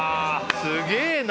すげえな。